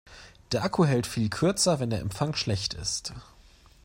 Der Akku hält viel kürzer, wenn der Empfang schlecht ist.